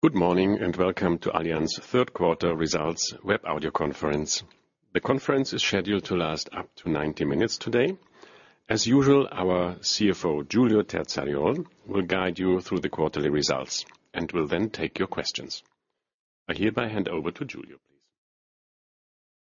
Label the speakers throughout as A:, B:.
A: Good morning and welcome to Allianz's third quarter results web audio conference. The conference is scheduled to last up to 90 minutes today. As usual, our CFO, Giulio Terzariol, will guide you through the quarterly results and will then take your questions. I hereby hand over to Giulio, please.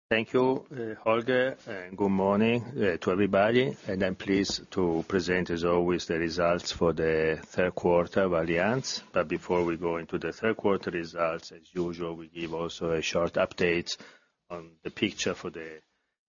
B: Thank you, Holger, and good morning to everybody. I'm pleased to present, as always, the results for the third quarter of Allianz. Before we go into the third quarter results, as usual, we give also a short update on the picture for the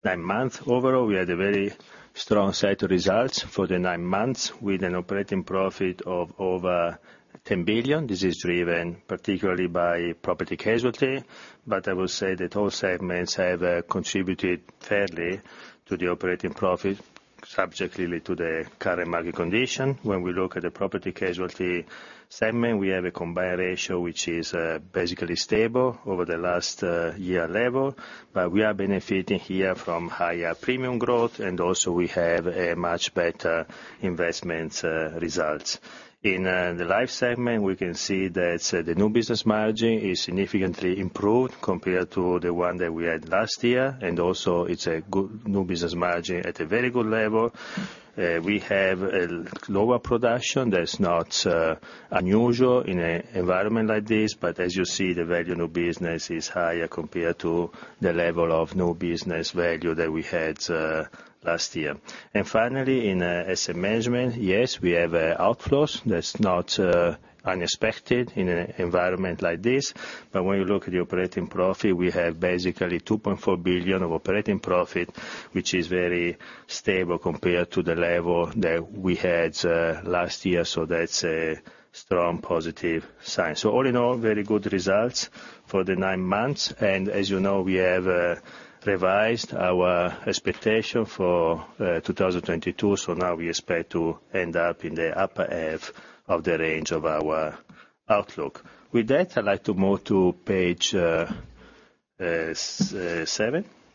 B: nine-month overall. We had a very strong set of results for the nine months, with an operating profit of over 10 billion. This is driven particularly by Property-Casualty. I will say that all segments have contributed fairly to the operating profit, subject to the current market condition. When we look at the Property-Casualty segment, we have a Combined Ratio which is basically stable over the last year level. We are benefiting here from higher premium growth, and also we have much better investment results. In the life segment, we can see that the new business margin is significantly improved compared to the one that we had last year. And also, it's a good new business margin at a very good level. We have a lower production that's not unusual in an environment like this. But as you see, the value of new business is higher compared to the level of new business value that we had last year. And finally, in asset management, yes, we have outflows that's not unexpected in an environment like this. But when you look at the operating profit, we have basically 2.4 billion of operating profit, which is very stable compared to the level that we had last year. So that's a strong positive sign. So all in all, very good results for the nine months. And as you know, we have revised our expectation for 2022. So now we expect to end up in the upper half of the range of our outlook. With that, I'd like to move to page seven,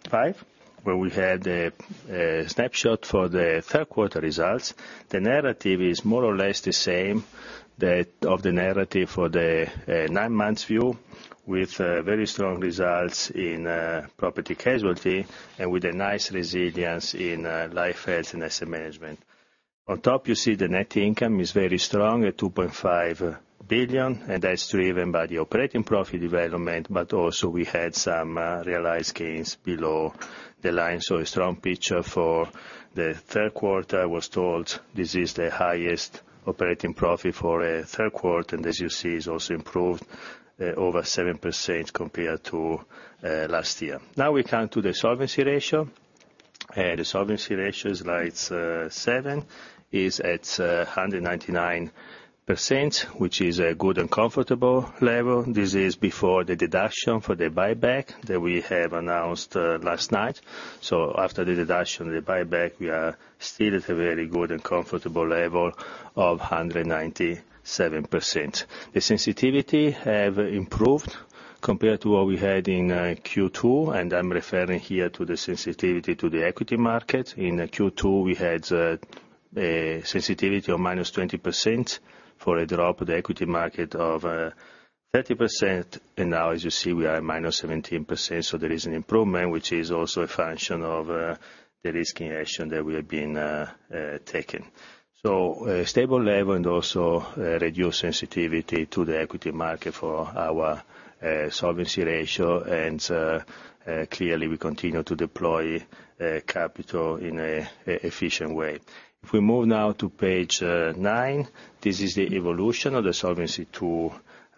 B: five, where we have the snapshot for the third quarter results. The narrative is more or less the same of the narrative for the nine-month view, with very strong results in property-casualty and with a nice resilience in life health and asset management. On top, you see the net income is very strong, at 2.5 billion, and that's driven by the operating profit development. But also, we had some realized gains below the line. So a strong picture for the third quarter was told. This is the highest operating profit for a third quarter. And as you see, it's also improved over 7% compared to last year. Now we come to the solvency ratio. The Solvency ratio is at 199%, which is a good and comfortable level. This is before the deduction for the buyback that we have announced last night. So after the deduction of the buyback, we are still at a very good and comfortable level of 197%. The sensitivity has improved compared to what we had in Q2. And I'm referring here to the sensitivity to the equity market. In Q2, we had a sensitivity of -20% for a drop of the equity market of 30%. And now, as you see, we are at -17%. So there is an improvement, which is also a function of the risk mitigation actions that we have been taking. So a stable level and also reduced sensitivity to the equity market for our Solvency ratio. And clearly, we continue to deploy capital in an efficient way. If we move now to page nine, this is the evolution of the solvency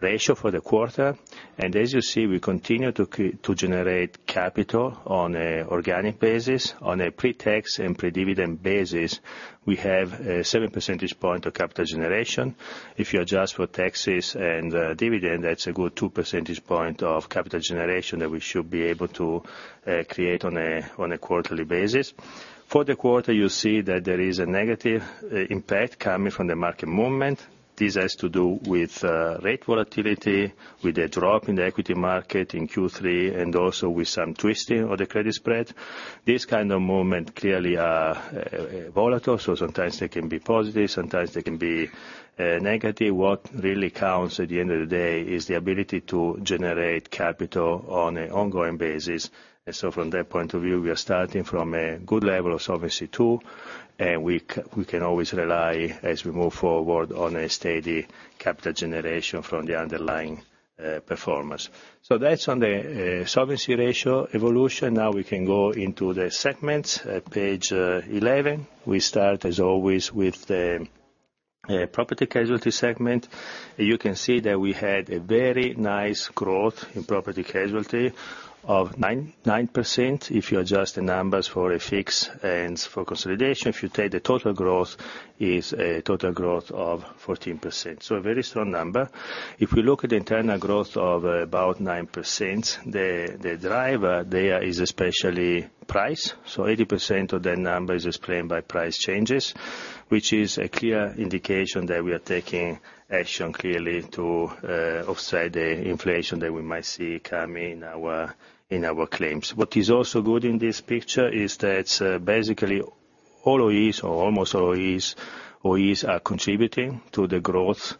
B: ratio for the quarter. As you see, we continue to generate capital on an organic basis. On a pre-tax and pre-dividend basis, we have a 7 percentage point of capital generation. If you adjust for taxes and dividend, that's a good 2 percentage point of capital generation that we should be able to create on a quarterly basis. For the quarter, you see that there is a negative impact coming from the market movement. This has to do with rate volatility, with a drop in the equity market in Q3, and also with some twisting of the credit spread. These kinds of movements clearly are volatile. Sometimes they can be positive, sometimes they can be negative. What really counts at the end of the day is the ability to generate capital on an ongoing basis. And so from that point of view, we are starting from a good level of solvency too. And we can always rely, as we move forward, on a steady capital generation from the underlying performance. So that's on the solvency ratio evolution. Now we can go into the segments. Page 11, we start, as always, with the property casualty segment. You can see that we had a very nice growth in property casualty of 9%. If you adjust the numbers for FX and for consolidation, if you take the total growth, it's a total growth of 14%. So a very strong number. If we look at the internal growth of about 9%, the driver there is especially price. So 80% of that number is explained by price changes, which is a clear indication that we are taking action clearly to offset the inflation that we might see coming in our claims. What is also good in this picture is that basically all OEs, or almost all OEs, OEs are contributing to the growth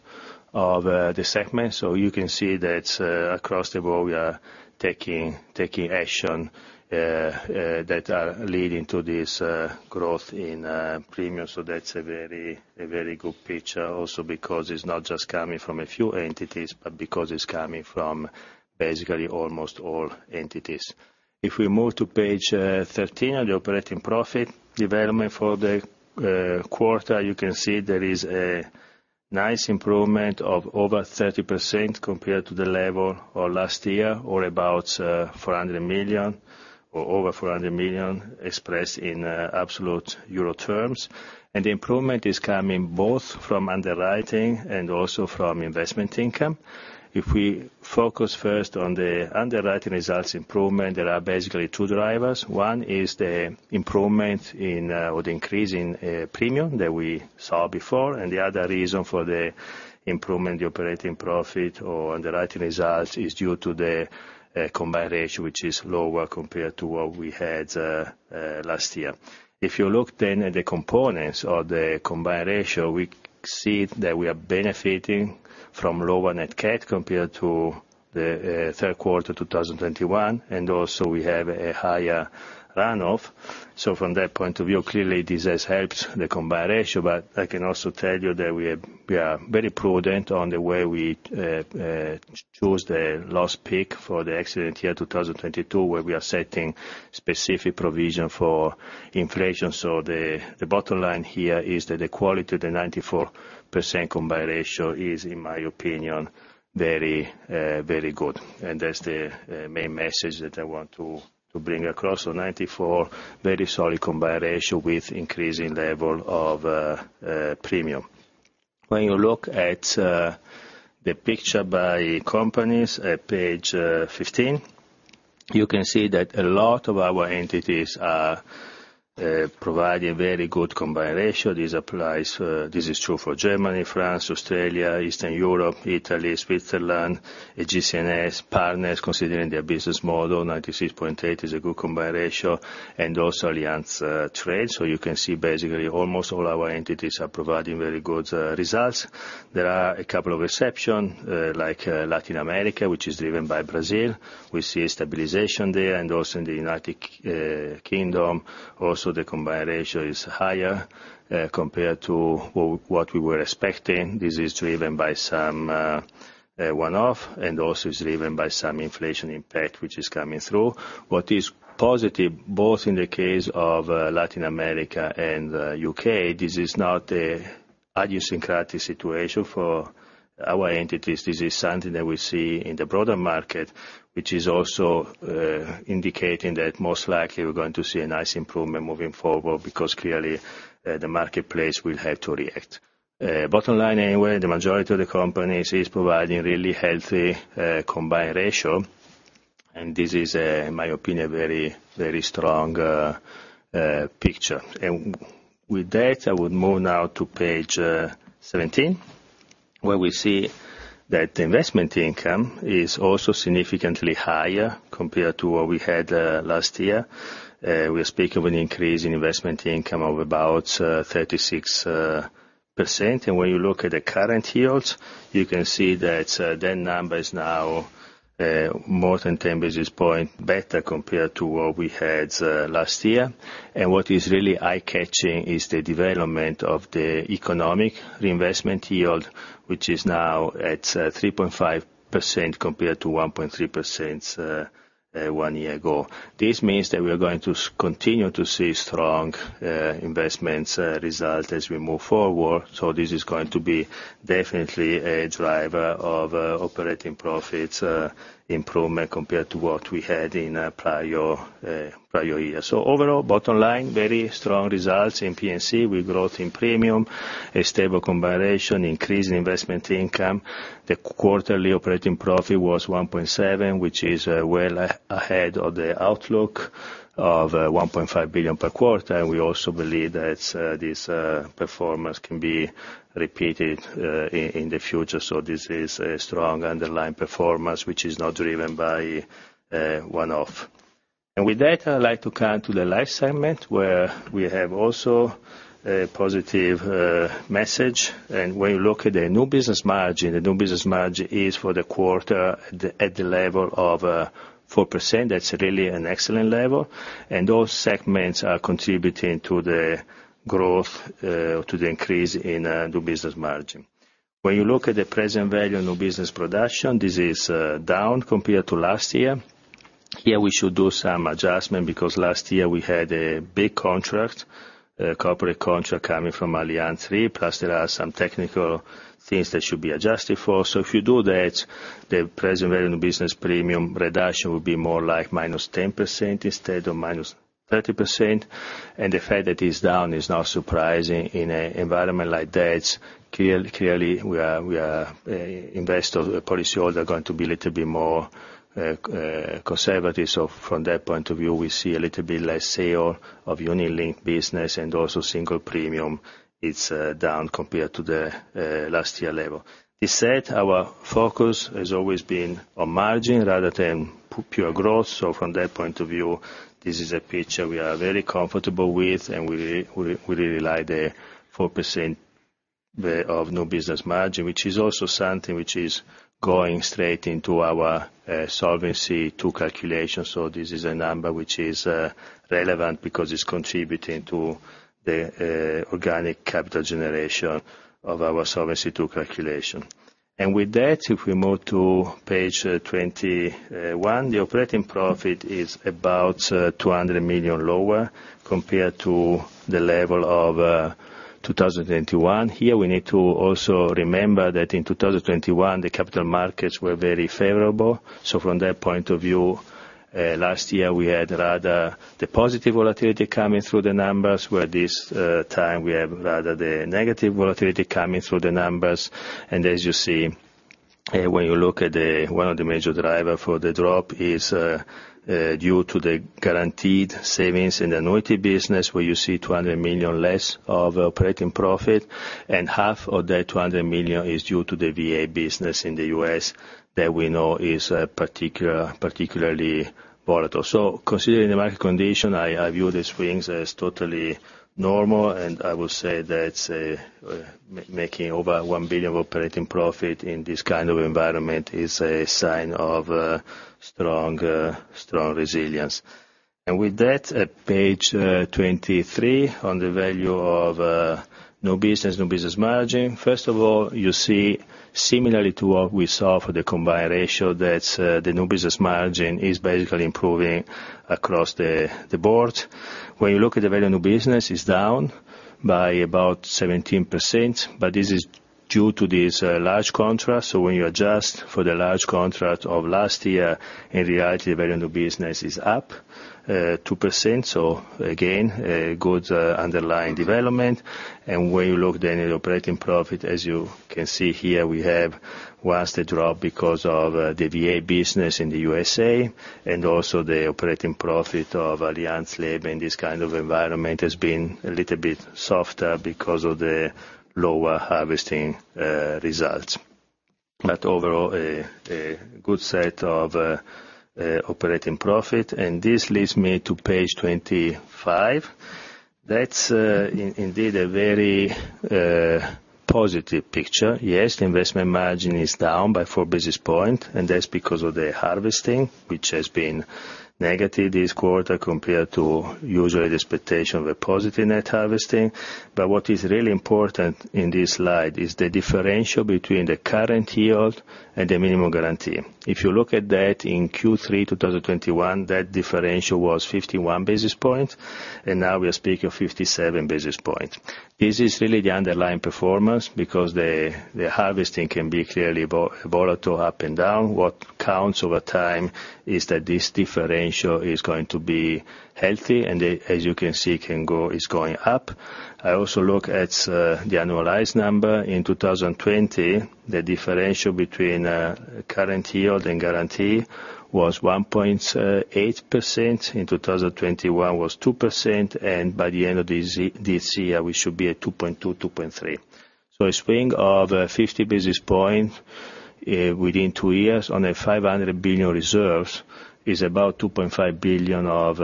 B: of the segment. So you can see that across the board, we are taking action that are leading to this growth in premium. So that's a very good picture also because it's not just coming from a few entities, but because it's coming from basically almost all entities. If we move to page 13 of the operating profit development for the quarter, you can see there is a nice improvement of over 30% compared to the level of last year, or about 400 million or over 400 million expressed in absolute euro terms. The improvement is coming both from underwriting and also from investment income. If we focus first on the underwriting results improvement, there are basically two drivers. One is the improvement in or the increase in premium that we saw before. The other reason for the improvement, the operating profit or underwriting results, is due to the combined ratio, which is lower compared to what we had last year. If you look then at the components of the combined ratio, we see that we are benefiting from lower NatCat compared to the third quarter 2021. Also, we have a higher runoff. So from that point of view, clearly, this has helped the combined ratio. But I can also tell you that we are very prudent on the way we choose the loss pick for the accident year 2022, where we are setting specific provision for inflation. So the bottom line here is that the quality of the 94% combined ratio is, in my opinion, very good. And that's the main message that I want to bring across. So 94, very solid combined ratio with increasing level of premium. When you look at the picture by companies, at page 15, you can see that a lot of our entities are providing very good combined ratio. This is true for Germany, France, Australia, Eastern Europe, Italy, Switzerland, GC&S partners, considering their business model. 96.8 is a good combined ratio. And also Allianz Trade. So you can see basically almost all our entities are providing very good results. There are a couple of exceptions, like Latin America, which is driven by Brazil. We see a stabilization there. And also in the United Kingdom, also the combined ratio is higher compared to what we were expecting. This is driven by some one-off and also is driven by some inflation impact, which is coming through. What is positive, both in the case of Latin America and the U.K., this is not an idiosyncratic situation for our entities. This is something that we see in the broader market, which is also indicating that most likely we're going to see a nice improvement moving forward because clearly the marketplace will have to react. Bottom line anyway, the majority of the companies is providing really healthy Combined Ratio. And this is, in my opinion, a very strong picture. And with that, I would move now to page 17, where we see that the investment income is also significantly higher compared to what we had last year. We are speaking of an increase in investment income of about 36%. And when you look at the current yields, you can see that that number is now more than 10 basis points better compared to what we had last year. And what is really eye-catching is the development of the economic reinvestment yield, which is now at 3.5% compared to 1.3% one year ago. This means that we are going to continue to see strong investment results as we move forward. So this is going to be definitely a driver of operating profits improvement compared to what we had in prior years. So overall, bottom line, very strong results in P&C with growth in premium, a stable combined ratio, increase in investment income. The quarterly operating profit was 1.7 billion, which is well ahead of the outlook of 1.5 billion per quarter. And we also believe that this performance can be repeated in the future. So this is a strong underlying performance, which is not driven by one-off. And with that, I'd like to come to the life segment, where we have also a positive message. And when you look at the new business margin, the new business margin is for the quarter at the level of 4%. That's really an excellent level. And those segments are contributing to the growth, to the increase in new business margin. When you look at the present value of new business production, this is down compared to last year. Here, we should do some adjustment because last year we had a big contract, a corporate contract coming from Allianz Re, plus there are some technical things that should be adjusted for. So if you do that, the present value of new business premiums production would be more like -10% instead of -30%. The fact that it's down is not surprising. In an environment like that, clearly, investor policy holders are going to be a little bit more conservative. From that point of view, we see a little bit less sale of unit-linked business. Also, single premium, it's down compared to the last year level. This said, our focus has always been on margin rather than pure growth. From that point of view, this is a picture we are very comfortable with. We really like the 4% of new business margin, which is also something which is going straight into our Solvency II calculation. This is a number which is relevant because it's contributing to the organic capital generation of our Solvency II calculation. With that, if we move to page 21, the operating profit is about 200 million lower compared to the level of 2021. Here, we need to also remember that in 2021, the capital markets were very favorable. So from that point of view, last year we had rather the positive volatility coming through the numbers, where this time we have rather the negative volatility coming through the numbers. And as you see, when you look at one of the major drivers for the drop is due to the guaranteed savings in the annuity business, where you see 200 million less of operating profit. And EUR 100 million of that 200 million is due to the VA business in the U.S. that we know is particularly volatile. So considering the market condition, I view the swings as totally normal. And I would say that making over 1 billion of operating profit in this kind of environment is a sign of strong resilience. And with that, at page 23, on the value of new business, new business margin, first of all, you see, similarly to what we saw for the combined ratio, that the new business margin is basically improving across the board. When you look at the value of new business, it's down by about 17%. But this is due to these large contracts. So when you adjust for the large contract of last year, in reality, the value of new business is up 2%. So again, good underlying development. And when you look then at the operating profit, as you can see here, we have once the drop because of the VA business in the U.S.A. And also, the operating profit of Allianz Leben in this kind of environment has been a little bit softer because of the lower harvesting results. But overall, a good set of operating profit. This leads me to page 25. That's indeed a very positive picture. Yes, the investment margin is down by 4 basis points. And that's because of the harvesting, which has been negative this quarter compared to usually the expectation of a positive net harvesting. But what is really important in this slide is the differential between the current yield and the minimum guarantee. If you look at that in Q3 2021, that differential was 51 basis points. And now we are speaking of 57 basis points. This is really the underlying performance because the harvesting can be clearly volatile up and down. What counts over time is that this differential is going to be healthy. And as you can see, it's going up. I also look at the annualized number. In 2020, the differential between current yield and guarantee was 1.8%. In 2021, it was 2%. And by the end of this year, we should be at 2.2-2.3. So a swing of 50 basis points within two years on a 500 billion reserves is about 2.5 billion of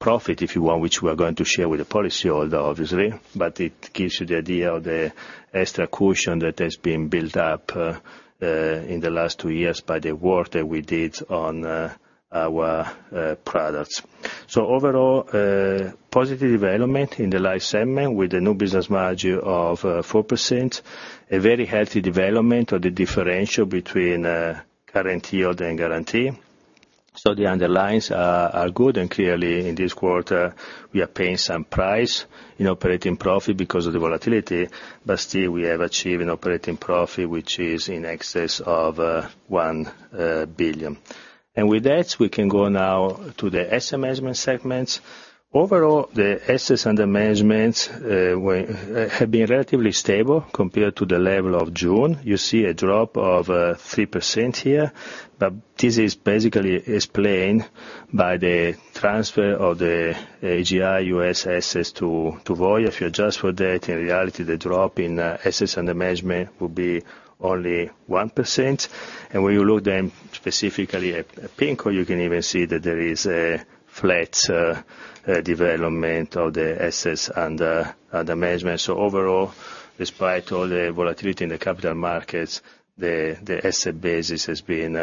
B: profit, if you want, which we are going to share with the policyholder, obviously. But it gives you the idea of the extra cushion that has been built up in the last two years by the work that we did on our products. So overall, positive development in the life segment with the new business margin of 4%, a very healthy development of the differential between current yield and guarantee. So the underlines are good. And clearly, in this quarter, we are paying some price in operating profit because of the volatility. But still, we have achieved an operating profit, which is in excess of 1 billion. With that, we can go now to the asset management segments. Overall, the assets under management have been relatively stable compared to the level of June. You see a drop of 3% here. But this is basically explained by the transfer of the AGI U.S. assets to Voya. If you adjust for that, in reality, the drop in assets under management would be only 1%. And when you look then specifically at PIMCO, you can even see that there is a flat development of the assets under management. So overall, despite all the volatility in the capital markets, the asset basis has been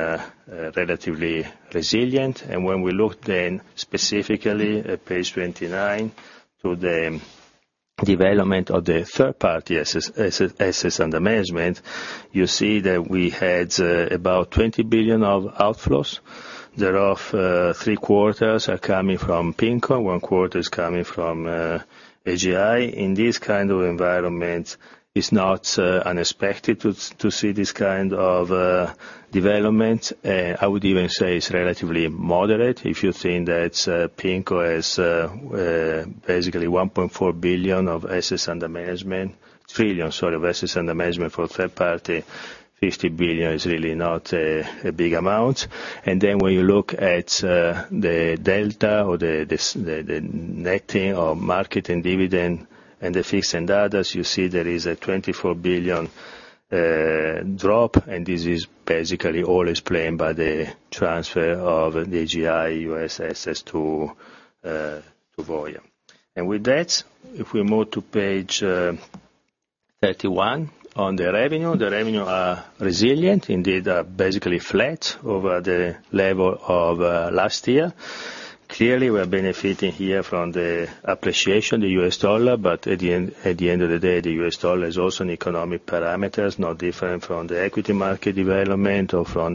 B: relatively resilient. And when we look then specifically at page 29 to the development of the third-party assets under management, you see that we had about 20 billion of outflows. There are three quarters coming from PIMCO. One quarter is coming from AGI. In this kind of environment, it's not unexpected to see this kind of development. I would even say it's relatively moderate. If you think that PIMCO has basically 1.4 trillion of assets under management for third party, 50 billion is really not a big amount. And then when you look at the delta or the netting or marketing dividend and the fixed and others, you see there is a 24 billion drop. And this is basically all explained by the transfer of the AGI U.S. assets to Voya. And with that, if we move to page 31 on the revenue, the revenues are resilient, indeed basically flat over the level of last year. Clearly, we are benefiting here from the appreciation, the U.S. dollar. But at the end of the day, the U.S. dollar is also an economic parameter, not different from the equity market development or from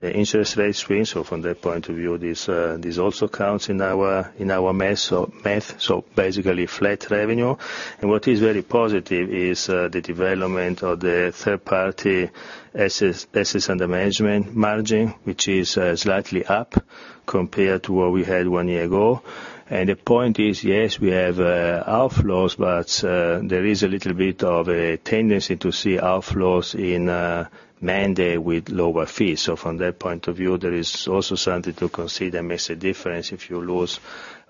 B: the interest rate swings. So from that point of view, this also counts in our math. So basically, flat revenue. And what is very positive is the development of the third-party assets under management margin, which is slightly up compared to what we had one year ago. And the point is, yes, we have outflows, but there is a little bit of a tendency to see outflows in mandate with lower fees. So from that point of view, there is also something to consider and make a difference if you lose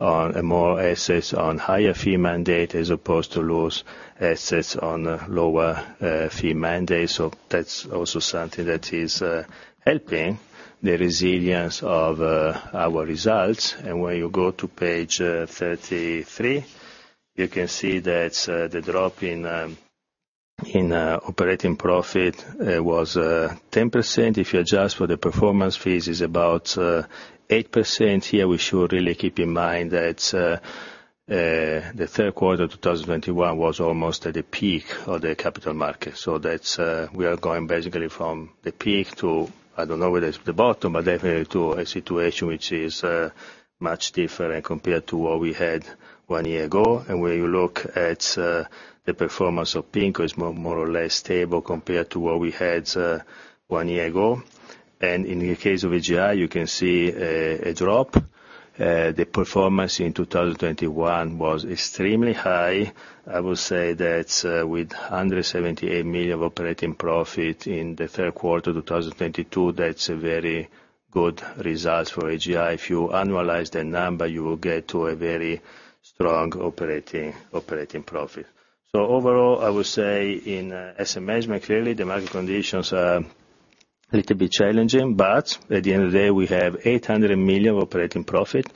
B: more assets on higher fee mandate as opposed to lose assets on lower fee mandate. So that's also something that is helping the resilience of our results. When you go to page 33, you can see that the drop in operating profit was 10%. If you adjust for the performance fees, it's about 8%. Here, we should really keep in mind that the third quarter of 2021 was almost at the peak of the capital market. We are going basically from the peak to, I don't know whether it's the bottom, but definitely to a situation which is much different compared to what we had one year ago. When you look at the performance of PIMCO, it's more or less stable compared to what we had one year ago. In the case of AGI, you can see a drop. The performance in 2021 was extremely high. I would say that with 178 million of operating profit in the third quarter of 2022, that's a very good result for AGI. If you annualize that number, you will get to a very strong operating profit, so overall, I would say in asset management, clearly, the market conditions are a little bit challenging, but at the end of the day, we have 800 million of operating profit.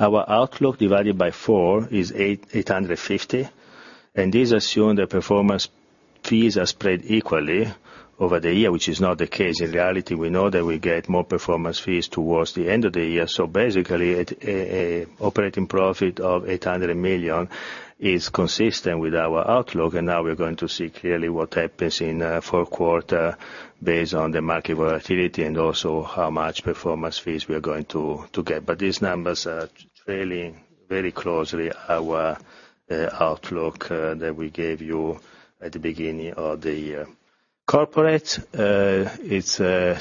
B: Our outlook divided by four is 850 million, and this assumes that performance fees are spread equally over the year, which is not the case. In reality, we know that we get more performance fees towards the end of the year, so basically, an operating profit of 800 million is consistent with our outlook, and now we're going to see clearly what happens in fourth quarter based on the market volatility and also how much performance fees we are going to get, but these numbers are trailing very closely our outlook that we gave you at the beginning of the year. Corporate, it's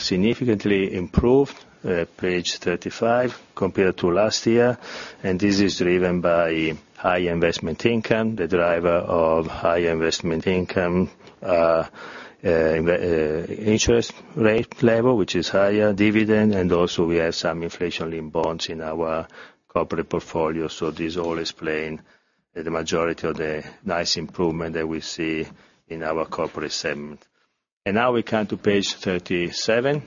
B: significantly improved at page 35 compared to last year. And this is driven by high investment income, the driver of high investment income interest rate level, which is higher, dividend. And also, we have some inflation-linked bonds in our corporate portfolio. So this all explains the majority of the nice improvement that we see in our corporate segment. And now we come to page 37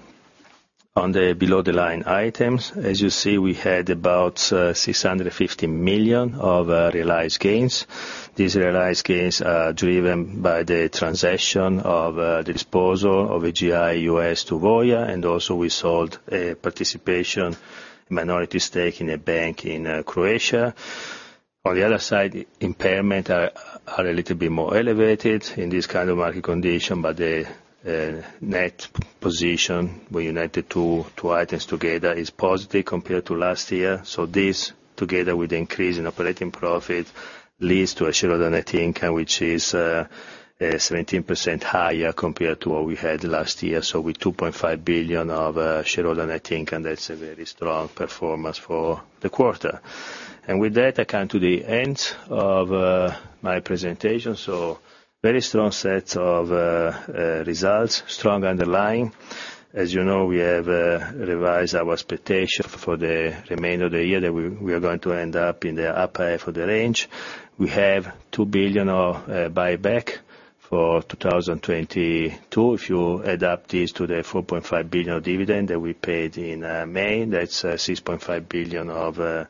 B: on the below-the-line items. As you see, we had about 650 million of realized gains. These realized gains are driven by the transaction of the disposal of AGI U.S. to Voya. And also, we sold a participation minority stake in a bank in Croatia. On the other side, impairments are a little bit more elevated in this kind of market condition. But the net position when you add the two items together is positive compared to last year. So this, together with the increase in operating profit, leads to a shareholder net income, which is 17% higher compared to what we had last year. So with 2.5 billion of shareholder net income, that's a very strong performance for the quarter. And with that, I come to the end of my presentation. So very strong set of results, strong underlying. As you know, we have revised our expectation for the remainder of the year that we are going to end up in the upper half of the range. We have 2 billion of buyback for 2022. If you adapt this to the 4.5 billion of dividend that we paid in May, that's 6.5 billion of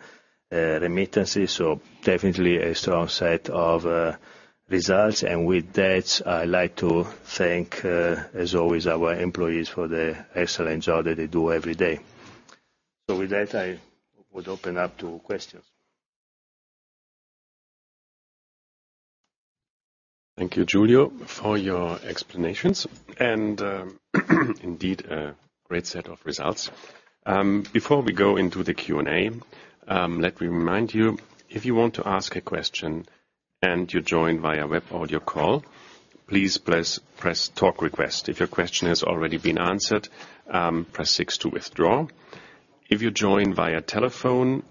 B: remittances. So definitely a strong set of results. And with that, I'd like to thank, as always, our employees for the excellent job that they do every day. With that, I would open up to questions.
A: Thank you, Giulio, for your explanations. And indeed, a great set of results. Before we go into the Q&A, let me remind you, if you want to ask a question and you join via web audio call, please press talk request. If your question has already been answered, press six to withdraw. If you join via telephone,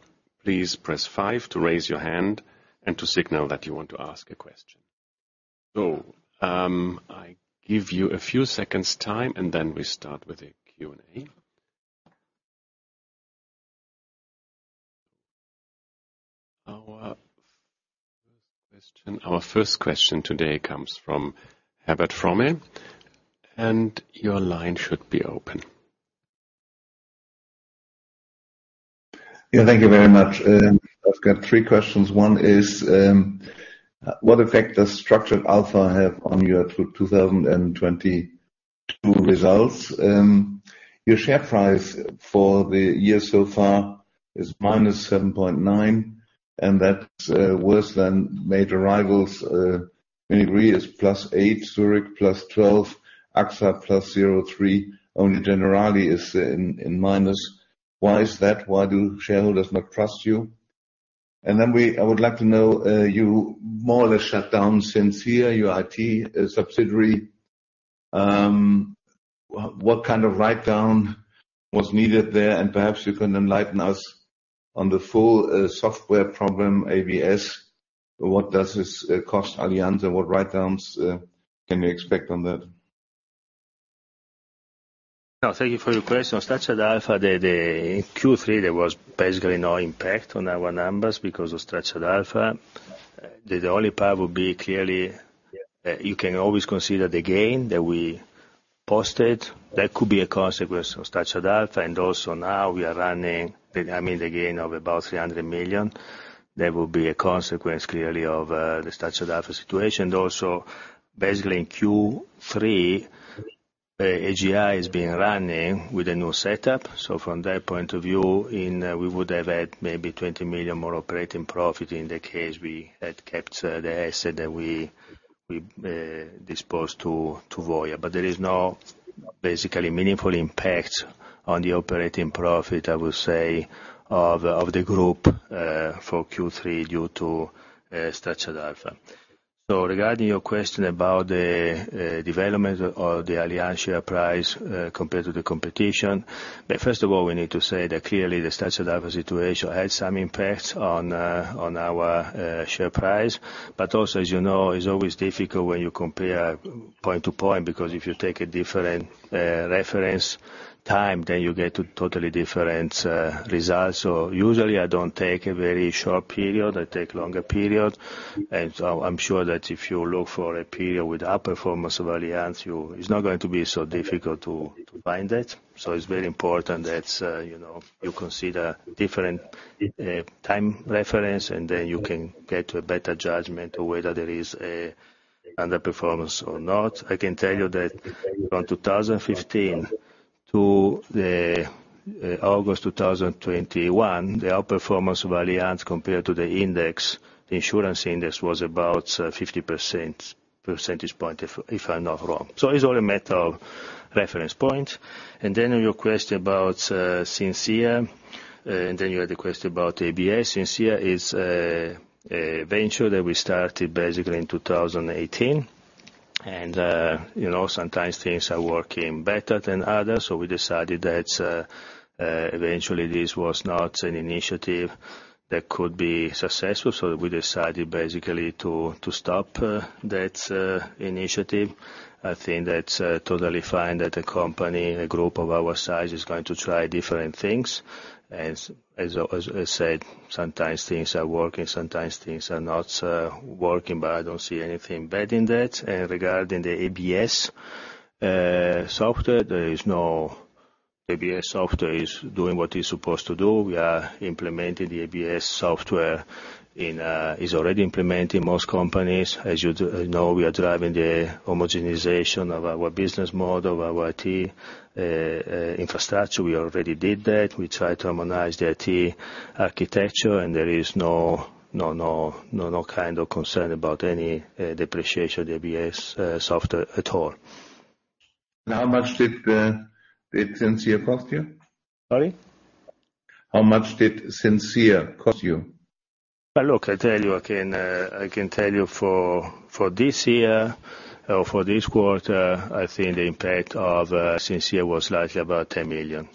A: please press five to raise your hand and to signal that you want to ask a question. So I give you a few seconds' time, and then we start with the Q&A. Our first question today comes from Herbert Fromme. And your line should be open. Yeah, thank you very much. I've got three questions. One is, what effect does Structured Alpha have on your 2022 results? Your share price for the year so far is -7.9%. And that's worse than major rivals. Munich Re is +8%, Zurich +12%, AXA +0.3%. Only Generali is in minus. Why is that? Why do shareholders not trust you? And then I would like to know you more or less shut down Syncier, your IT subsidiary. What kind of write-down was needed there? And perhaps you can enlighten us on the full software problem, ABS. What does this cost Allianz? And what write-downs can you expect on that?
B: No, thank you for your question. Structured Alpha, the Q3, there was basically no impact on our numbers because of Structured Alpha. The only part would be clearly you can always consider the gain that we posted. That could be a consequence of Structured Alpha. And also now we are running, I mean, the gain of about 300 million. That would be a consequence clearly of the Structured Alpha situation. And also, basically in Q3, AGI has been running with a new setup. So from that point of view, we would have had maybe 20 million more operating profit in the case we had kept the asset that we disposed to Voya. But there is no basically meaningful impact on the operating profit, I would say, of the group for Q3 due to Structured Alpha. Regarding your question about the development of the Allianz share price compared to the competition, first of all, we need to say that clearly the Structured Alpha situation had some impacts on our share price. Also, as you know, it's always difficult when you compare point to point because if you take a different reference time, then you get totally different results. Usually, I don't take a very short period. I take a longer period. I'm sure that if you look for a period with upper performance of Allianz, it's not going to be so difficult to find that. It's very important that you consider different time reference, and then you can get a better judgment of whether there is underperformance or not. I can tell you that from 2015 to August 2021, the outperformance of Allianz compared to the index, the insurance index, was about 50 percentage points, if I'm not wrong, so it's all a matter of reference points, and then your question about Syncier, and then you had a question about ABS. Syncier is a venture that we started basically in 2018, and sometimes things are working better than others, so we decided that eventually this was not an initiative that could be successful, so we decided basically to stop that initiative. I think that's totally fine that a company, a group of our size, is going to try different things, and as I said, sometimes things are working, sometimes things are not working, but I don't see anything bad in that, and regarding the ABS software, there is no ABS software is doing what it's supposed to do. We are implementing the ABS software. It is already in most companies. As you know, we are driving the homogenization of our business model, of our IT infrastructure. We already did that. We tried to harmonize the IT architecture, and there is no kind of concern about any depreciation of the ABS software at all. And how much did Syncier cost you? Sorry? How much did Syncier cost you? Look, I tell you, I can tell you for this year or for this quarter, I think the impact of Syncier was likely about 10 million.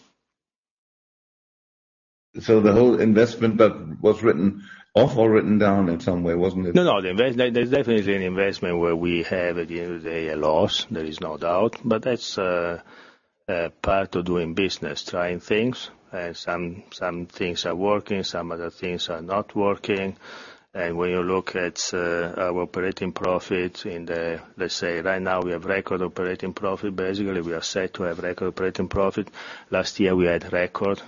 B: So the whole investment was written off or written down in some way, wasn't it? No, no. There's definitely an investment where we have at the end of the day a loss. There is no doubt. But that's part of doing business, trying things. And some things are working, some other things are not working. And when you look at our operating profit in the, let's say, right now we have record operating profit. Basically, we are set to have record operating profit. Last year, we had record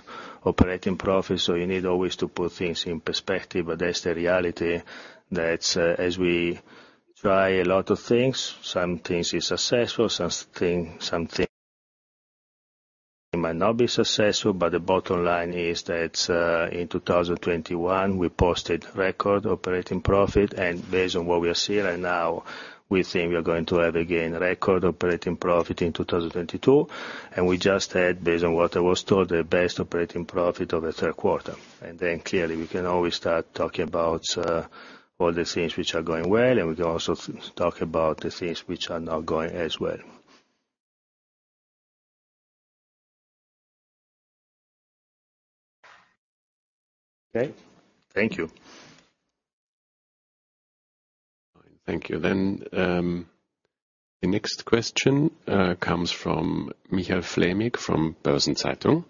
B: operating profit. So you need always to put things in perspective. But that's the reality that as we try a lot of things, some things are successful, some things might not be successful. But the bottom line is that in 2021, we posted record operating profit. And based on what we are seeing right now, we think we are going to have again record operating profit in 2022. And we just had, based on what I was told, the best operating profit of the third quarter. And then clearly, we can always start talking about all the things which are going well. And we can also talk about the things which are not going as well. Okay. Thank you.
A: Thank you. Then the next question comes from Michael Flämig from Börsen-Zeitung.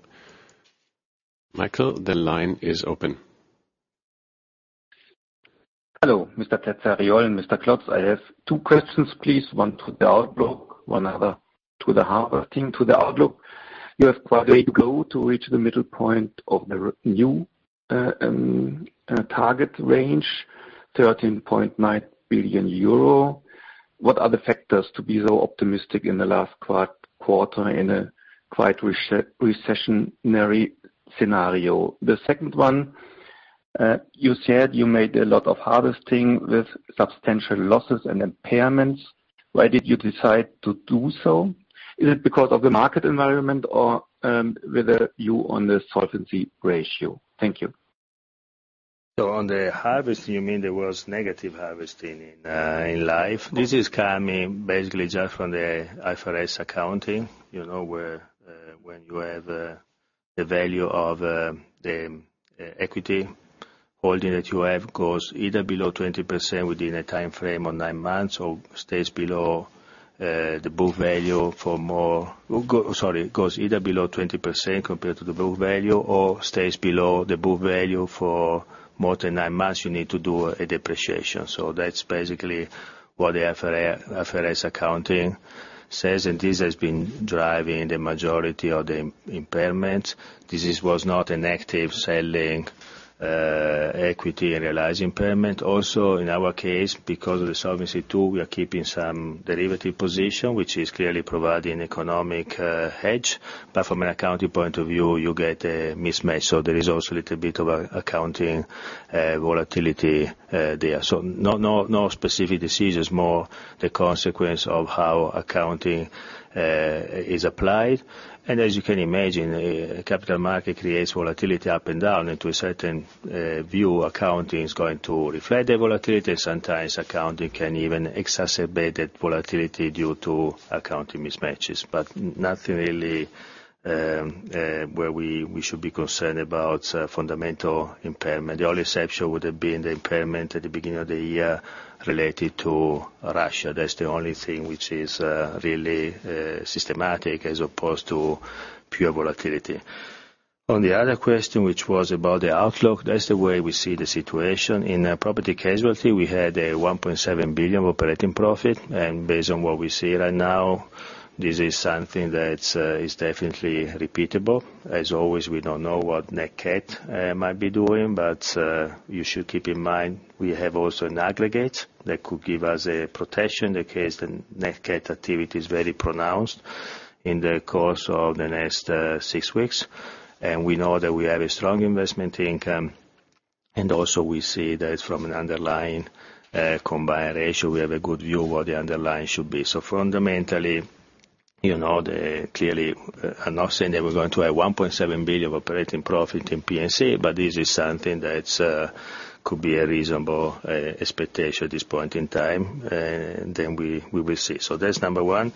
A: Michael, the line is open.
C: Hello, Mr. Terzariol, Mr. Klotz, I have two questions, please. One to the outlook, one other to the thing to the outlook. You have quite a way to go to reach the middle point of the new target range, 13.9 billion euro. What are the factors to be so optimistic in the last quarter in a quite recessionary scenario? The second one, you said you made a lot of harvesting with substantial losses and impairments. Why did you decide to do so? Is it because of the market environment or whether you on the solvency ratio? Thank you.
B: So on the harvesting, you mean there was negative harvesting in life? This is coming basically just from the IFRS accounting, where when you have the value of the equity holding that you have goes either below 20% within a time frame of nine months or stays below the book value for more sorry, goes either below 20% compared to the book value or stays below the book value for more than nine months, you need to do a depreciation. So that's basically what the IFRS accounting says. And this has been driving the majority of the impairments. This was not an active selling equity and realized impairment. Also, in our case, because of Solvency II, we are keeping some derivative position, which is clearly providing economic hedge. But from an accounting point of view, you get a mismatch. So there is also a little bit of accounting volatility there. So no specific decisions, more the consequence of how accounting is applied. And as you can imagine, capital market creates volatility up and down. And to a certain view, accounting is going to reflect that volatility. And sometimes accounting can even exacerbate that volatility due to accounting mismatches. But nothing really where we should be concerned about fundamental impairment. The only exception would have been the impairment at the beginning of the year related to Russia. That's the only thing which is really systematic as opposed to pure volatility. On the other question, which was about the outlook, that's the way we see the situation. In property casualty, we had a 1.7 billion operating profit. And based on what we see right now, this is something that is definitely repeatable. As always, we don't know what NatCat might be doing. But you should keep in mind we have also an aggregate that could give us a protection in the case the NatCat activity is very pronounced in the course of the next six weeks. And we know that we have a strong investment income. And also, we see that from an underlying combined ratio, we have a good view of what the underlying should be. So fundamentally, clearly, I'm not saying that we're going to have 1.7 billion of operating profit in P&C, but this is something that could be a reasonable expectation at this point in time. And then we will see. So that's number one.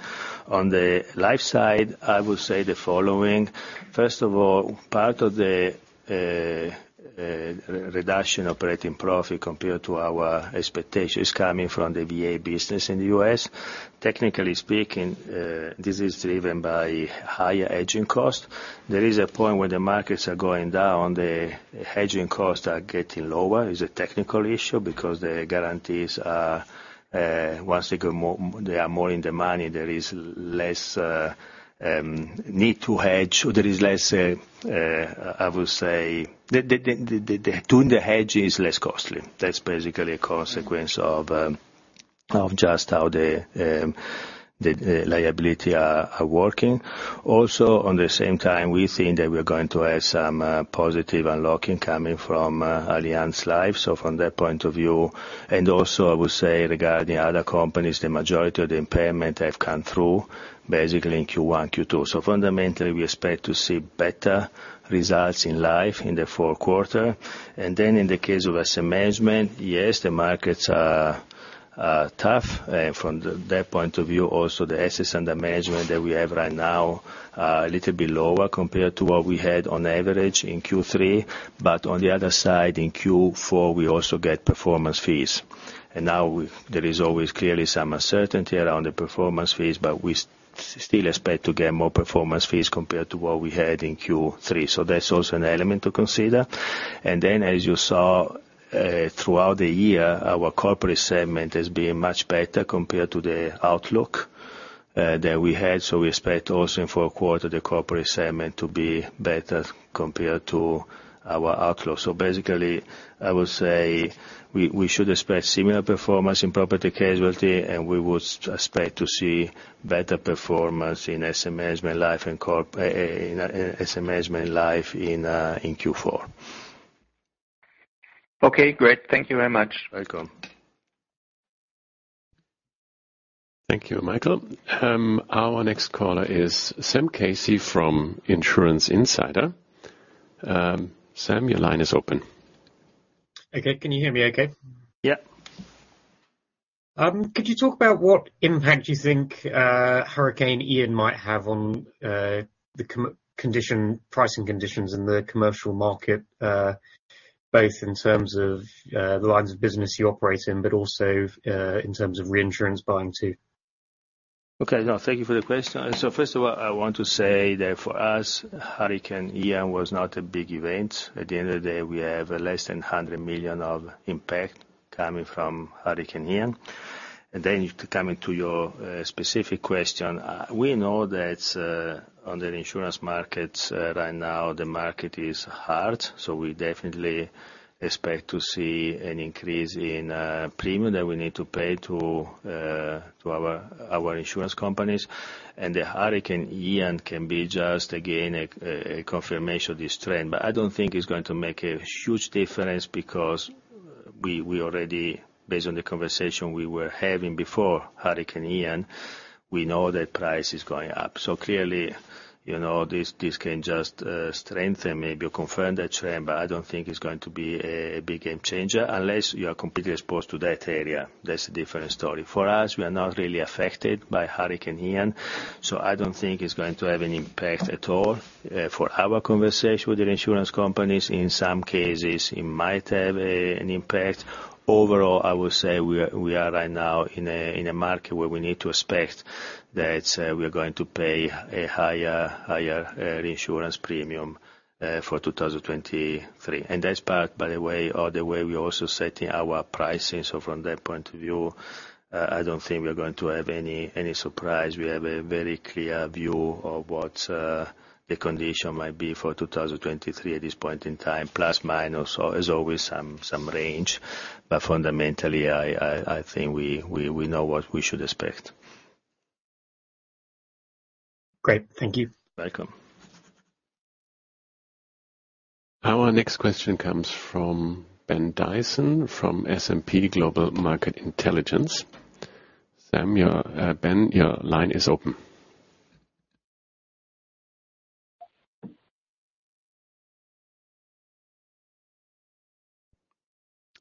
B: On the life side, I would say the following. First of all, part of the reduction operating profit compared to our expectation is coming from the VA business in the U.S. Technically speaking, this is driven by higher hedging cost. There is a point where the markets are going down, the hedging costs are getting lower. It's a technical issue because the guarantees, once they are more in demand, there is less need to hedge. There is less, I would say, doing the hedging is less costly. That's basically a consequence of just how the liability are working. Also, on the same time, we think that we're going to have some positive unlocking coming from Allianz Life. So from that point of view, and also, I would say regarding other companies, the majority of the impairment have come through basically in Q1, Q2. So fundamentally, we expect to see better results in life in the fourth quarter. And then in the case of asset management, yes, the markets are tough. And from that point of view, also the assets and the management that we have right now are a little bit lower compared to what we had on average in Q3. But on the other side, in Q4, we also get performance fees. And now there is always clearly some uncertainty around the performance fees, but we still expect to get more performance fees compared to what we had in Q3. So that's also an element to consider. And then, as you saw throughout the year, our corporate segment has been much better compared to the outlook that we had. So we expect also in fourth quarter, the corporate segment to be better compared to our outlook. So basically, I would say we should expect similar performance in property-casualty, and we would expect to see better performance in asset management, life, and asset management in Q4.
C: Okay, great. Thank you very much.
B: Welcome.
A: Thank you, Michael. Our next caller is Sam Casey from Insurance Insider. Sam, your line is open.
D: Okay. Can you hear me okay?
B: Yeah.
D: Could you talk about what impact you think Hurricane Ian might have on the pricing conditions in the commercial market, both in terms of the lines of business you operate in, but also in terms of reinsurance buying too?
B: Okay. No, thank you for the question. So first of all, I want to say that for us, Hurricane Ian was not a big event. At the end of the day, we have less than 100 million of impact coming from Hurricane Ian. And then coming to your specific question, we know that on the insurance markets right now, the market is hard. So we definitely expect to see an increase in premium that we need to pay to our insurance companies. And the Hurricane Ian can be just, again, a confirmation of this trend. But I don't think it's going to make a huge difference because we already, based on the conversation we were having before Hurricane Ian, we know that price is going up. So clearly, this can just strengthen, maybe confirm that trend, but I don't think it's going to be a big game changer unless you are completely exposed to that area. That's a different story. For us, we are not really affected by Hurricane Ian. So I don't think it's going to have an impact at all for our conversation with the insurance companies. In some cases, it might have an impact. Overall, I would say we are right now in a market where we need to expect that we are going to pay a higher reinsurance premium for 2023. And that's part, by the way, of the way we're also setting our pricing. So from that point of view, I don't think we're going to have any surprise. We have a very clear view of what the condition might be for 2023 at this point in time, plus minus, or as always, some range. But fundamentally, I think we know what we should expect.
D: Great. Thank you.
B: Welcome.
A: Our next question comes from Ben Dyson from S&P Global Market Intelligence. Sam, Ben, your line is open.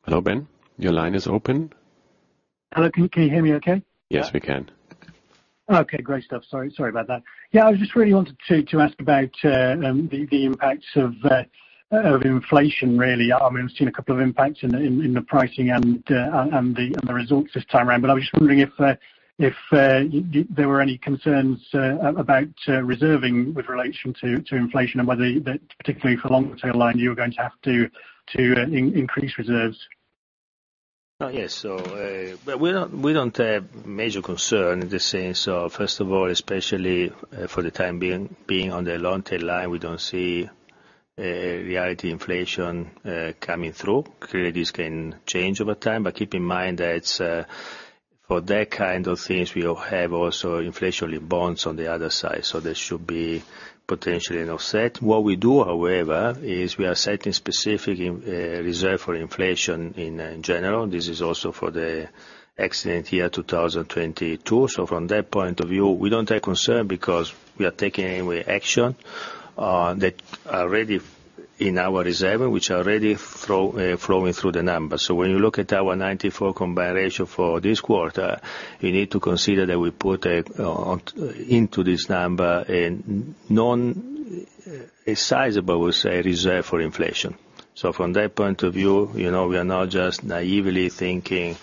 A: Hello, Ben. Your line is open.
E: Hello. Can you hear me okay?
A: Yes, we can.
E: Okay. Great stuff. Sorry about that. Yeah. I was just really wanting to ask about the impacts of inflation, really. I mean, we've seen a couple of impacts in the pricing and the results this time around. But I was just wondering if there were any concerns about reserving with relation to inflation and whether, particularly for long-term line, you were going to have to increase reserves?
B: Oh, yes. So we don't have major concerns in the sense of, first of all, especially for the time being on the long-term line, we don't see realty inflation coming through. Clearly, this can change over time. But keep in mind that for that kind of things, we have also inflationary bonds on the other side. So there should be potentially an offset. What we do, however, is we are setting specific reserve for inflation in general. This is also for the existing year 2022. So from that point of view, we don't have concern because we are taking any action that already in our reserve, which are already flowing through the numbers. So when you look at our 94% combined ratio for this quarter, you need to consider that we put into this number a non-sizeable, I would say, reserve for inflation. So from that point of view, we are not just naively thinking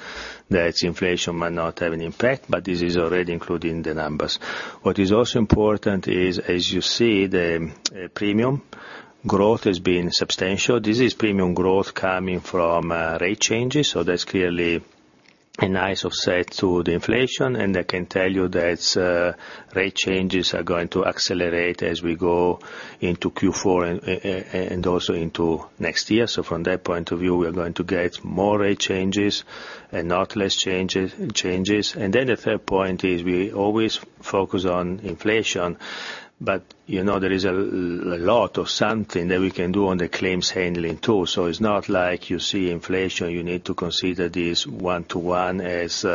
B: that inflation might not have an impact, but this is already included in the numbers. What is also important is, as you see, the premium growth has been substantial. This is premium growth coming from rate changes. So that's clearly a nice offset to the inflation. And I can tell you that rate changes are going to accelerate as we go into Q4 and also into next year. So from that point of view, we are going to get more rate changes and not less changes. And then the third point is we always focus on inflation, but there is a lot of something that we can do on the claims handling too. So it's not like you see inflation, you need to consider this one-to-one as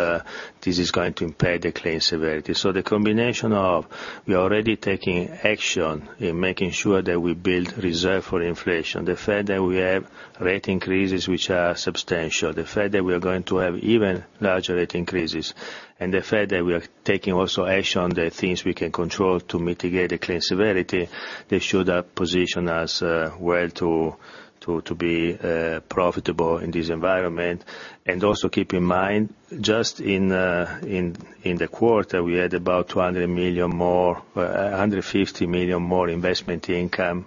B: this is going to impact the claim severity. So, the combination of we are already taking action in making sure that we build reserve for inflation. The fact that we have rate increases, which are substantial, the fact that we are going to have even larger rate increases, and the fact that we are taking also action on the things we can control to mitigate the claim severity, they should position us well to be profitable in this environment. And also keep in mind, just in the quarter, we had about 200 million more, 150 million more investment income,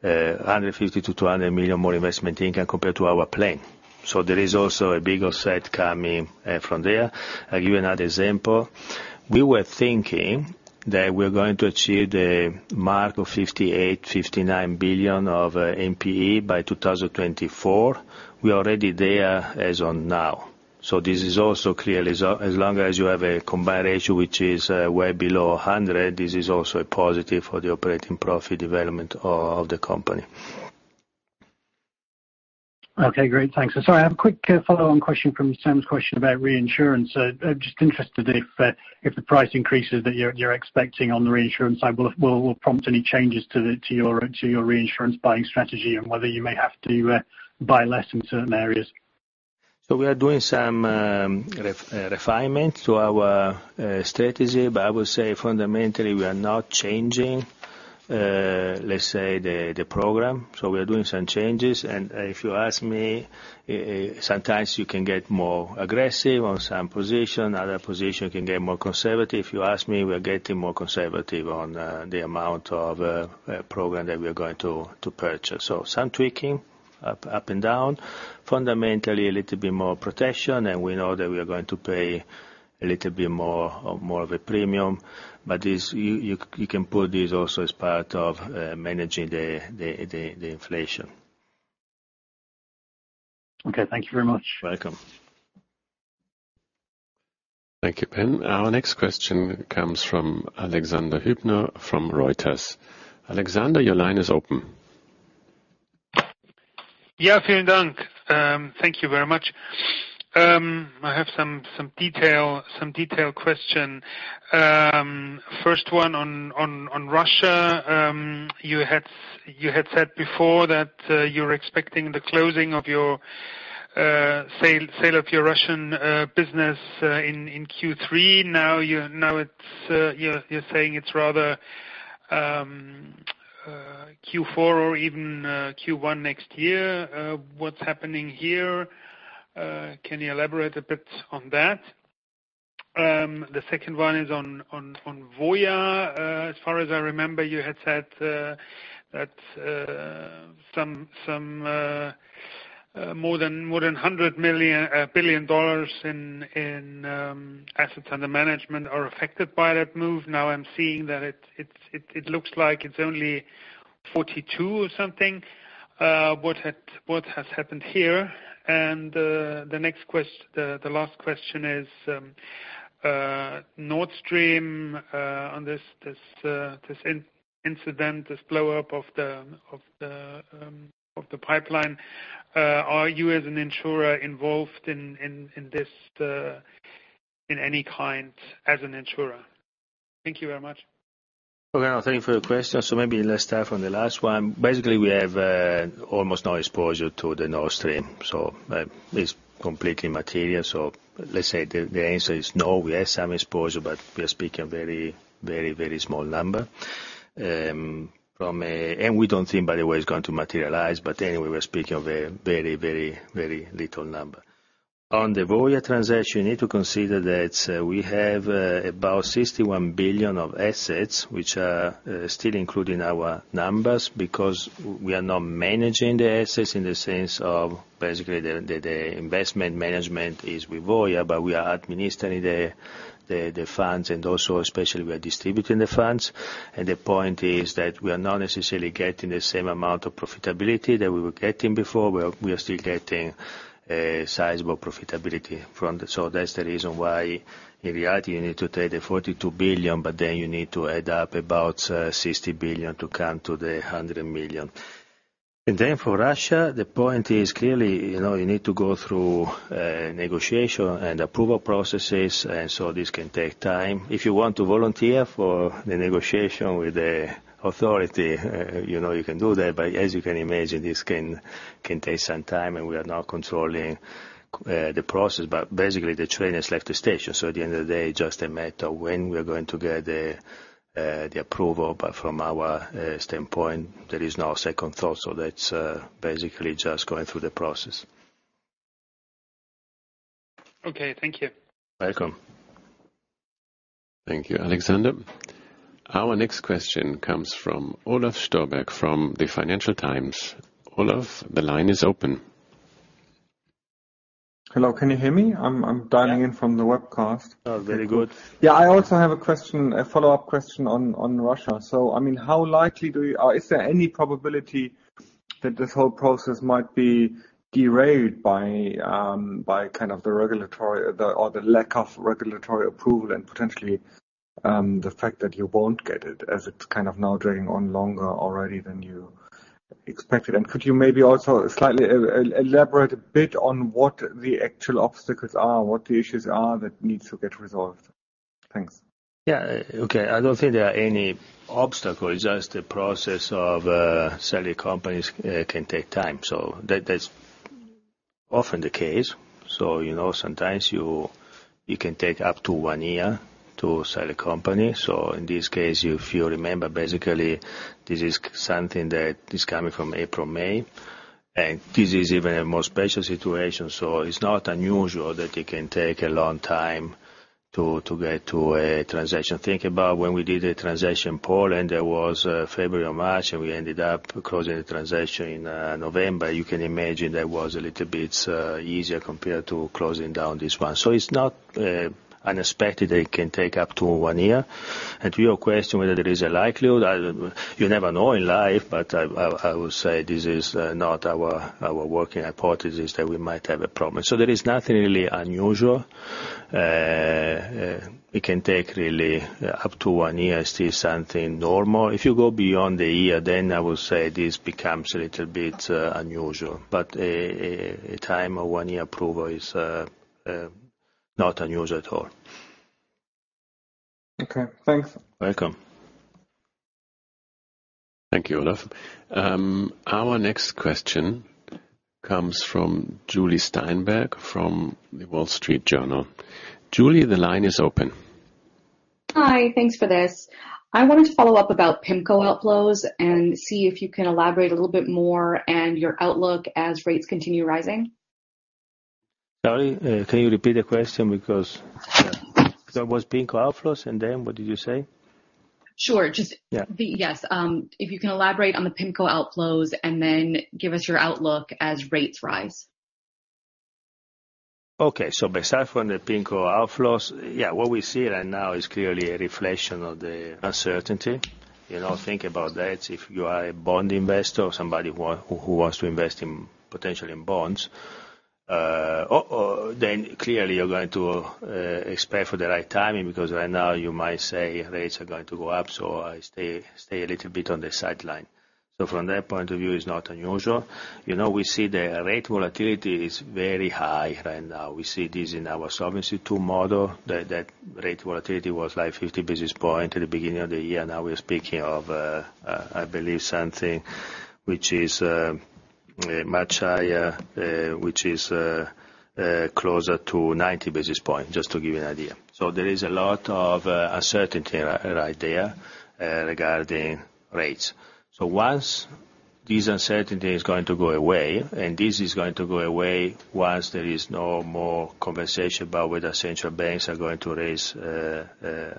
B: 150 million-200 million more investment income compared to our plan. So there is also a big offset coming from there. I'll give you another example. We were thinking that we're going to achieve the mark of 58 billion-59 billion of NPE by 2024. We are already there as of now. So this is also clearly, as long as you have a combined ratio, which is way below 100, this is also a positive for the operating profit development of the company.
E: Okay. Great. Thanks. Sorry, I have a quick follow-on question from Sam's question about reinsurance. I'm just interested if the price increases that you're expecting on the reinsurance side will prompt any changes to your reinsurance buying strategy and whether you may have to buy less in certain areas?
B: So, we are doing some refinement to our strategy, but I would say fundamentally, we are not changing, let's say, the program. So, we are doing some changes. And if you ask me, sometimes you can get more aggressive on some position. Other position, you can get more conservative. If you ask me, we are getting more conservative on the amount of program that we are going to purchase. So, some tweaking up and down. Fundamentally, a little bit more protection. And we know that we are going to pay a little bit more of a premium. But you can put this also as part of managing the inflation.
E: Okay. Thank you very much.
B: Welcome.
A: Thank you, Ben. Our next question comes from Alexander Hübner from Reuters. Alexander, your line is open.
F: Yeah. Thank you very much. I have some detailed questions. First one on Russia. You had said before that you're expecting the closing of your sale of your Russian business in Q3. Now you're saying it's rather Q4 or even Q1 next year. What's happening here? Can you elaborate a bit on that? The second one is on Voya. As far as I remember, you had said that some more than $100 billion in assets under management are affected by that move. Now I'm seeing that it looks like it's only 42 or something. What has happened here? And the last question is Nord Stream on this incident, this blow-up of the pipeline. Are you as an insurer involved in this in any kind as an insurer? Thank you very much.
B: Okay. Thank you for your question. So maybe let's start from the last one. Basically, we have almost no exposure to the Nord Stream. So it's completely material. So let's say the answer is no. We have some exposure, but we are speaking of a very, very small number. And we don't think, by the way, it's going to materialize. But anyway, we're speaking of a very, very, very little number. On the Voya transaction, you need to consider that we have about 61 billion of assets, which are still including our numbers because we are not managing the assets in the sense of basically the investment management is with Voya, but we are administering the funds and also especially we are distributing the funds. And the point is that we are not necessarily getting the same amount of profitability that we were getting before. We are still getting sizable profitability. So that's the reason why in reality, you need to take the 42 billion, but then you need to add up about 60 billion to come to the 100 million. And then for Russia, the point is clearly you need to go through negotiation and approval processes. And so this can take time. If you want to volunteer for the negotiation with the authority, you can do that. But as you can imagine, this can take some time, and we are not controlling the process. But basically, the train has left the station. So at the end of the day, it's just a matter of when we are going to get the approval. But from our standpoint, there is no second thought. So that's basically just going through the process.
F: Okay. Thank you.
B: Welcome.
A: Thank you, Alexander. Our next question comes from Olaf Storbeck from The Financial Times. Olaf, the line is open.
G: Hello. Can you hear me? I'm dialing in from the webcast.
B: Very good.
G: Yeah. I also have a question, a follow-up question on Russia. So I mean, how likely is there any probability that this whole process might be derailed by kind of the regulatory or the lack of regulatory approval and potentially the fact that you won't get it as it's kind of now dragging on longer already than you expected? And could you maybe also slightly elaborate a bit on what the actual obstacles are, what the issues are that need to get resolved? Thanks.
B: Yeah. Okay. I don't think there are any obstacles. Just the process of selling companies can take time. So that's often the case. So sometimes you can take up to one year to sell a company. So in this case, if you remember, basically, this is something that is coming from April, May. And this is even a more special situation. So it's not unusual that it can take a long time to get to a transaction. Think about when we did a transaction in Poland in February or March, and we ended up closing the transaction in November. You can imagine that was a little bit easier compared to closing down this one. So it's not unexpected that it can take up to one year. And to your question, whether there is a likelihood, you never know in life, but I will say this is not our working hypothesis that we might have a problem. So there is nothing really unusual. It can take really up to one year is still something normal. If you go beyond a year, then I will say this becomes a little bit unusual. But a time of one-year approval is not unusual at all.
G: Okay. Thanks.
B: Welcome.
A: Thank you, Olaf. Our next question comes from Julie Steinberg from The Wall Street Journal. Julie, the line is open.
H: Hi. Thanks for this. I wanted to follow up about PIMCO outflows and see if you can elaborate a little bit more and your outlook as rates continue rising.
B: Sorry. Can you repeat the question? Because there was PIMCO outflows and then what did you say?
H: Sure. Yes. If you can elaborate on the PIMCO outflows and then give us your outlook as rates rise.
B: Okay. So besides from the PIMCO outflows, yeah, what we see right now is clearly a reflection of the uncertainty. Think about that. If you are a bond investor or somebody who wants to invest potentially in bonds, then clearly you're going to expect for the right timing because right now you might say rates are going to go up. So I stay a little bit on the sidelines. So from that point of view, it's not unusual. We see the rate volatility is very high right now. We see this in our Solvency II model. That rate volatility was like 50 basis points at the beginning of the year. Now we're speaking of, I believe, something which is much higher, which is closer to 90 basis points, just to give you an idea. So there is a lot of uncertainty right there regarding rates. So once this uncertainty is going to go away, and this is going to go away once there is no more conversation about whether central banks are going to raise rates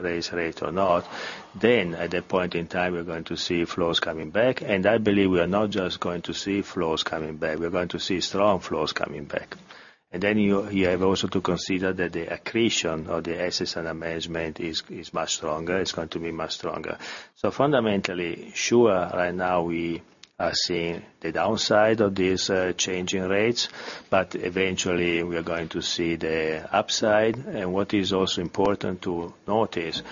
B: or not, then at that point in time, we're going to see flows coming back. And I believe we are not just going to see flows coming back. We're going to see strong flows coming back. And then you have also to consider that the accretion of the assets under management is much stronger. It's going to be much stronger. So fundamentally, sure, right now we are seeing the downside of these changing rates, but eventually, we are going to see the upside. And what is also important to notice,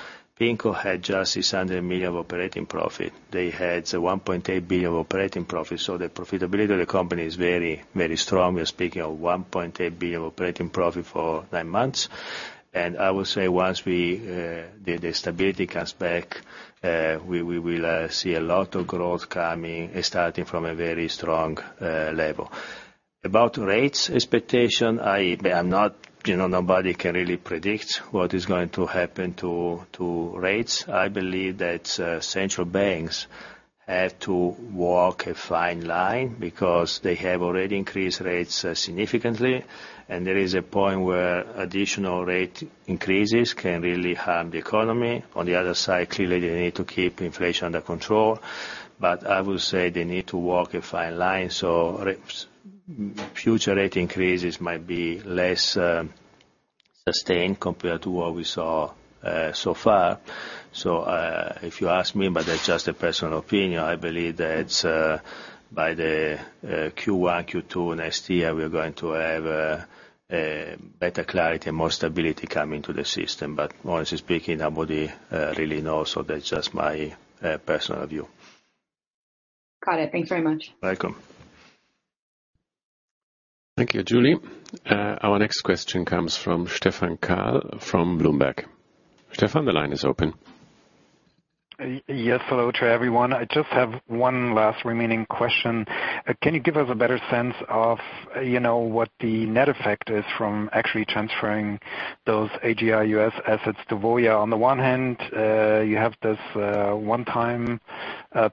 B: PIMCO had just 600 million of operating profit. They had 1.8 billion of operating profit. So the profitability of the company is very, very strong. We're speaking of 1.8 billion operating profit for nine months. I would say once the stability comes back, we will see a lot of growth coming starting from a very strong level. About rates expectation, nobody can really predict what is going to happen to rates. I believe that central banks have to walk a fine line because they have already increased rates significantly. And there is a point where additional rate increases can really harm the economy. On the other side, clearly, they need to keep inflation under control. But I would say they need to walk a fine line. Future rate increases might be less sustained compared to what we saw so far. So if you ask me, but that's just a personal opinion, I believe that by the Q1, Q2, next year, we're going to have better clarity and more stability coming to the system. But honestly speaking, nobody really knows. So that's just my personal view.
H: Got it. Thanks very much.
B: Welcome.
A: Thank you, Julie. Our next question comes from Stefan Kahl from Bloomberg. Stefan, the line is open.
I: Yes. Hello to everyone. I just have one last remaining question. Can you give us a better sense of what the net effect is from actually transferring those AGI U.S. assets to Voya? On the one hand, you have this one-time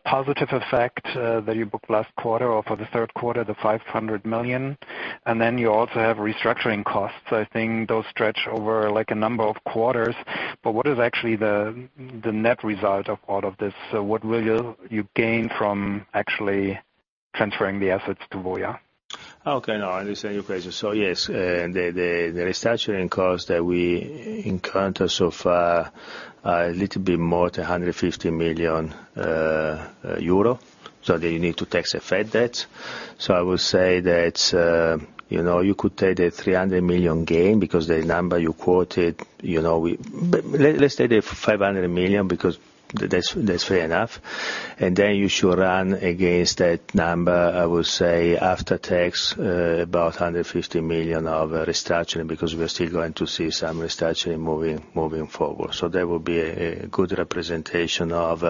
I: positive effect that you booked last quarter or for the third quarter, the 500 million. And then you also have restructuring costs. I think those stretch over a number of quarters. But what is actually the net result of all of this? So what will you gain from actually transferring the assets to Voya?
B: Okay. No, I understand your question. So yes, the restructuring cost that we encounter is of a little bit more than 150 million euro. So then you need to add the net debt. So I will say that you could take the 300 million gain because the number you quoted, let's take the 500 million because that's fair enough. And then you should run against that number, I will say, after tax, about 150 million of restructuring because we are still going to see some restructuring moving forward. So that will be a good representation of,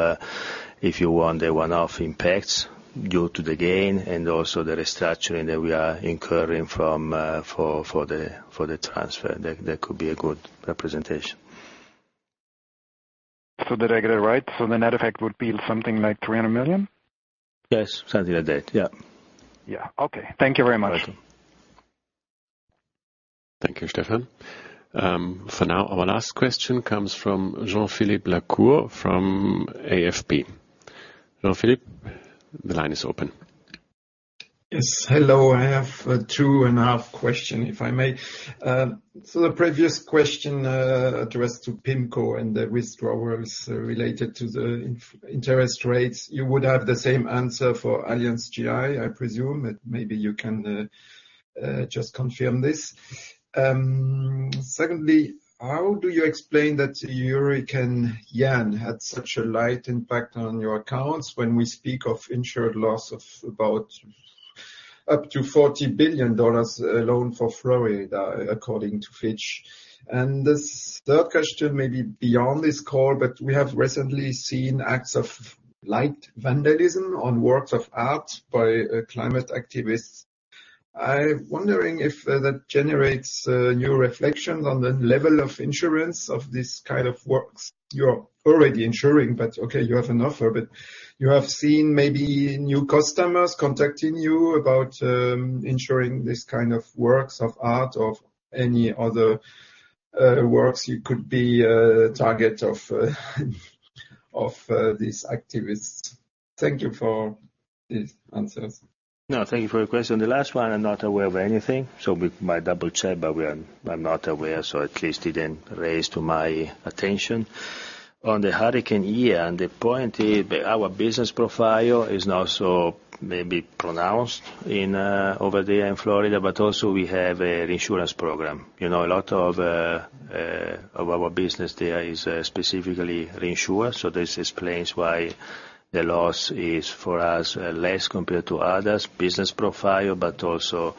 B: if you want, the one-off impacts due to the gain and also the restructuring that we are incurring for the transfer. That could be a good representation.
I: For the regular, right? So the net effect would be something like 300 million?
B: Yes. Something like that. Yeah.
I: Yeah. Okay. Thank you very much.
B: Welcome.
A: Thank you, Stefan. For now, our last question comes from Jean-Philippe Lacour from AFP. Jean-Philippe, the line is open.
J: Yes. Hello. I have a two-and-a-half question, if I may. So the previous question addressed to PIMCO and the risk roles related to the interest rates, you would have the same answer for AllianzGI, I presume. Maybe you can just confirm this. Secondly, how do you explain that the Hurricane Ian had such a light impact on your accounts when we speak of insured loss of about up to $40 billion alone for Florida, according to Fitch? And the third question may be beyond this call, but we have recently seen acts of light vandalism on works of art by climate activists. I'm wondering if that generates new reflections on the level of insurance of this kind of works. You're already insuring, but okay, you have an offer. But you have seen maybe new customers contacting you about insuring this kind of works of art or any other works you could be a target of these activists. Thank you for these answers.
B: No. Thank you for your question. The last one, I'm not aware of anything. So we might double-check, but I'm not aware. So at least it didn't raise to my attention. On the Hurricane Ian, the point is our business profile is not so maybe pronounced over there in Florida, but also we have a reinsurance program. A lot of our business there is specifically reinsured. So this explains why the loss is for us less compared to others. Business profile, but also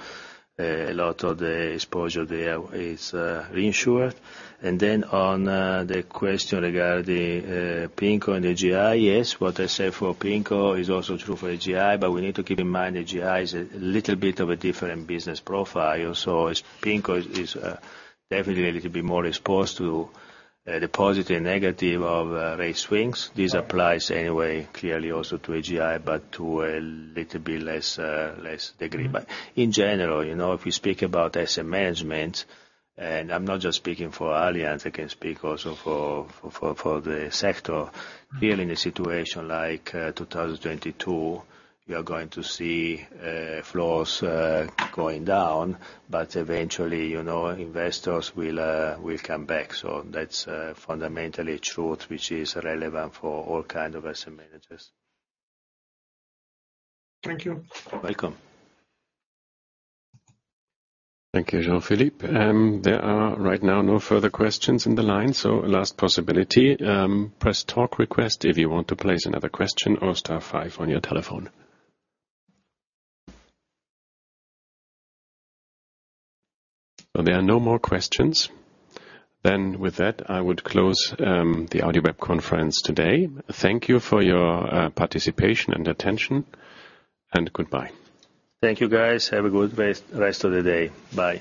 B: a lot of the exposure there is reinsured. And then on the question regarding PIMCO and AGI, yes, what I said for PIMCO is also true for AGI, but we need to keep in mind AGI is a little bit of a different business profile. So PIMCO is definitely a little bit more exposed to the positive and negative of rate swings. This applies anyway clearly also to AGI, but to a little bit less degree. But in general, if we speak about asset management, and I'm not just speaking for Allianz, I can speak also for the sector, here in a situation like 2022, you are going to see flows going down, but eventually, investors will come back. So that's fundamentally true, which is relevant for all kinds of asset managers.
J: Thank you.
B: Welcome.
A: Thank you, Jean-Philippe. There are right now no further questions in the line. So last possibility, press talk request if you want to place another question or star five on your telephone. So there are no more questions. Then with that, I would close the AudioWeb Conference today. Thank you for your participation and attention, and goodbye.
B: Thank you, guys. Have a good rest of the day. Bye.